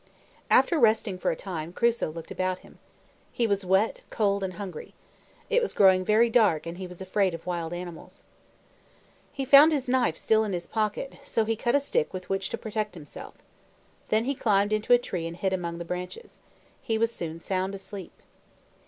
After resting for a time, Crusoe looked about him. He was wet, cold, and hungry. It was growing very dark, and he was afraid of wild animals. He found his knife still in his pocket, so he cut a stick with which to protect himself. Then he climbed into a tree and hid among the branches. He was soon sound asleep.